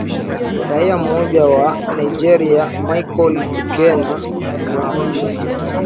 raia mmoja wa nigeria michael ikena ndwanya